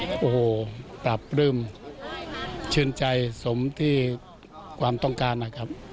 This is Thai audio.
โอ้โหปรับปลื้มชื่นใจสมที่ความต้องการนะครับ